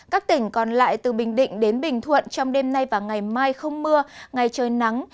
các tỉnh còn lại từ bình định đến bình thuận trong đêm nay và ngày mai không mưa ngày trời nắng